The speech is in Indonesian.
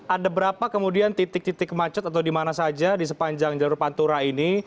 ada berapa kemudian titik titik macet atau di mana saja di sepanjang jalur pantura ini